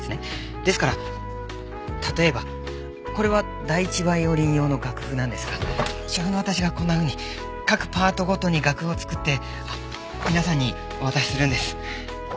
ですから例えばこれは第１バイオリン用の楽譜なんですが写譜の私がこんなふうに各パートごとに楽譜を作って皆さんにお渡しするんです。